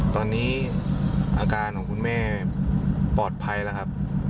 ตอนนี้อาการของคุณแม่ปลอดภัยแล้วครับ